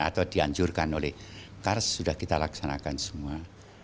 atau dianjurkan oleh kars sudah kita laksanakan semua